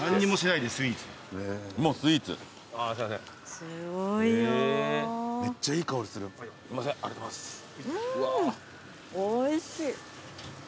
うーんおいしい。